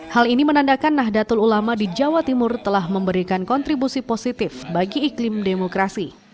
hal ini menandakan nahdlatul ulama di jawa timur telah memberikan kontribusi positif bagi iklim demokrasi